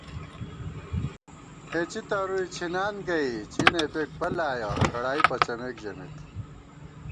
ہېڅی ترُوئی څھِنان گئ څِنہ اِپېک پَل آیَہ کڑائی پَڅَمېک ژمېت